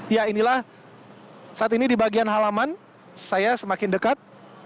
ya inilah saat ini di bagian halaman saya semakin dekat